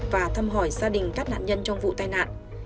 và thăm hỏi gia đình các nạn nhân trong vụ tai nạn